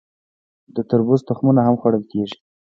د تربوز تخمونه هم خوړل کیږي.